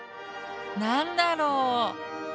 何だろう？